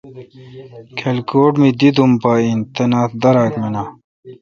کلکوٹ اے دی دوم پا این۔ تنا تہ داراک مناں۔